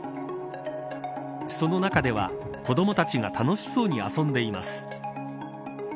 その中では子どもたちが楽しそうに遊んでいます。